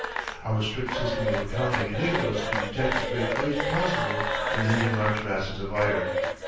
Our strict system of accounting enabled us to detect the great waste possible in heating large masses of iron.